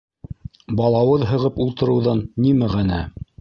—Балауыҙ һығып ултырыуҙан ни мәғәнә.